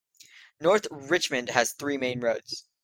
North Richmond has three main roads.